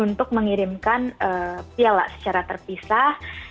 untuk mengirimkan piala secara terpisah